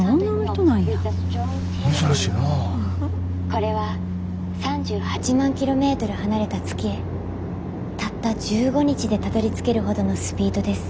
これは３８万キロメートル離れた月へたった１５日でたどりつけるほどのスピードです。